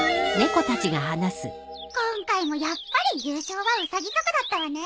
今回もやっぱり優勝はウサギ族だったわね。